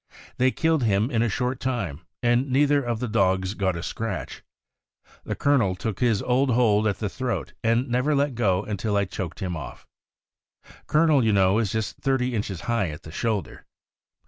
They killed him in a short time, and neither of the dogs got a scratch. The Col onel took his old hold at the throat, and never let go until I choked him off. Colonel, you know, is just thirty inches high at the shoulder.